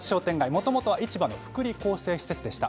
もともとは市場の福利厚生施設でした。